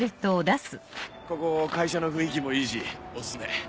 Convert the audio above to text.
ここ会社の雰囲気もいいしお薦め。